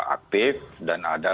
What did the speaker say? aktif dan ada